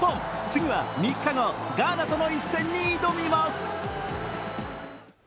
次は３日後、ガーナとの一戦に挑みます。